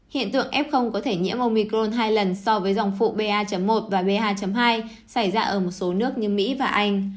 hiện tượng f có thể nhiễm omicron hai lần so với dòng phụ ba một và b hai hai xảy ra ở một số nước như mỹ và anh